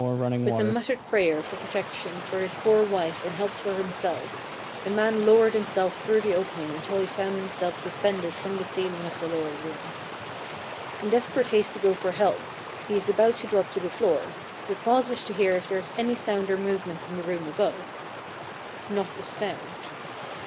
"With a muttered prayer for protection for his poor wife and help for himself, the man lowered himself through the opening until he found himself suspended from the ceiling of the lower room. In desperate haste to go for help, he is about to drop to the floor, but pauses to hear if there is any sound or movement in the room above. Not a sound.